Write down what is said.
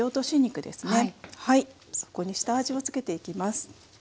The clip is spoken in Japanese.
そこに下味をつけていきます。